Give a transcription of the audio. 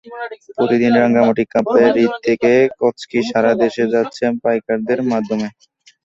প্রতিদিন রাঙামাটির কাপ্তাই হ্রদ থেকে কাচকি সারা দেশে যাচ্ছে পাইকারদের মাধ্যমে।